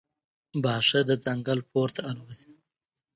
باښه د ځنګل پورته الوزي.